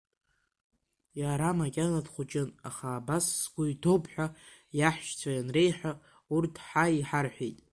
Иара макьана дхәыҷын, аха абас сгәы иҭоуп ҳәа иаҳәшьцәа ианреиҳәа, урҭ ҳа иҳарҳәеит.